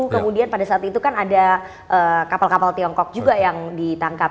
kemudian pada saat itu kan ada kapal kapal tiongkok juga yang ditangkap